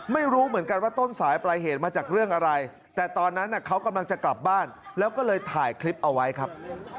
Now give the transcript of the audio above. ไม่รู้เหมือนกันว่าต้นสายปลายเหตุมาจากเรื่องอะไรแต่ตอนนั้นเขากำลังจะกลับบ้านแล้วก็เลยถ่ายคลิปเอาไว้ครับ